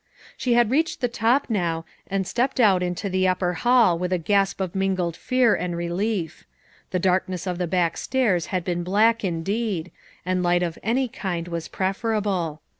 She had reached the top now, and stepped out into the upper hall with a gasp of mingled fear and relief. The darkness of the back stairs had been black indeed, and light of any kind was preferable.